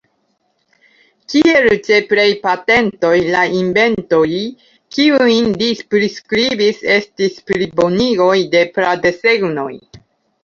Kiel ĉe plej patentoj, la inventoj kiujn li priskribis estis plibonigoj de pra-desegnoj.